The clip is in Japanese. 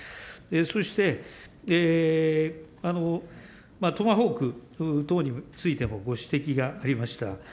そして、トマホーク等についてもご指摘がありました。